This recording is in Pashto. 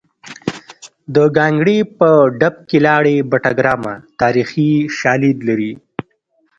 د ګانګړې په ډب کې لاړې بټه ګرامه تاریخي شالید لري